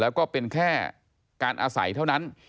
แล้วก็เป็นแค่การอาศัยเท่านั้น